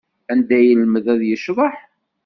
Anda ay yelmed ad yecḍeḥ?